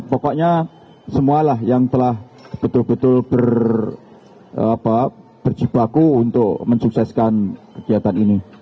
pokoknya semualah yang telah betul betul berjibaku untuk mensukseskan kegiatan ini